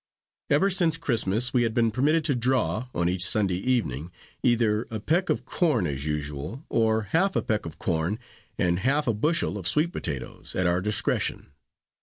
Ever since Christmas we had been permitted to draw, on each Sunday evening, either a peck of corn, as usual, or half a peck of corn and half a bushel of sweet potatoes, at our discretion.